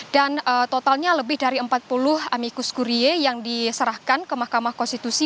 dan totalnya lebih dari empat puluh amikus kurie yang diserahkan ke mahkamah konstitusi